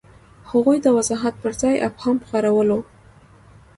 هغوی د وضاحت پر ځای ابهام خپرولو.